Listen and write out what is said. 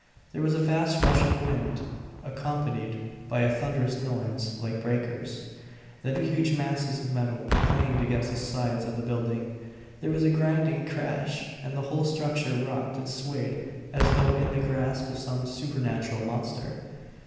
There was a vast rush of wind, accompanied by a thunderous noise, like breakers. Then two huge masses of metal clanged against the sides of the building; there was a grinding crash, and the whole structure rocked and swayed as though in the grasp of some supernatural monster.